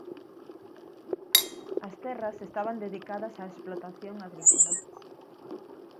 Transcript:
As terras estaban dedicadas á explotación agrícola.